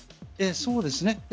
そうですね。